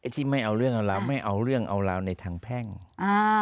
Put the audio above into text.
ที่ไม่เอาเรื่องเอาราวไม่เอาเรื่องเอาราวในทางแพ่งอ่า